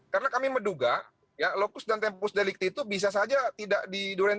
karena kami menduga ya lokus dan tempus delikti itu bisa saja tidak di durian tiga